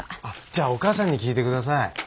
じゃあお母さんに聞いて下さい。